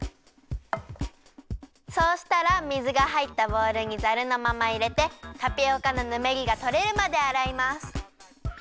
そうしたら水がはいったボウルにザルのままいれてタピオカのぬめりがとれるまであらいます。